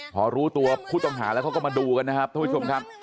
พอรู้ตัวผู้ต้องหาแล้วเขาก็มาดูกันนะครับท่านผู้ชมครับ